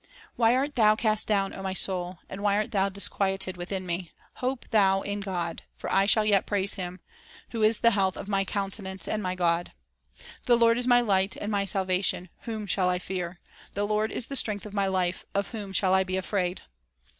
"Why art thou cast down, O my soul? And why art thou disquieted within me? Hope thou in God ; For I shall yet praise Him, Who is the health of my countenance, And my God." "The Lord is my light and my salvation ; Whom shall I fear? The Lord is the strength of my life ; Of whom shall I be afraid